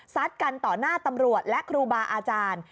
กันต่อหน้าตำรวจและครูบาอาจารย์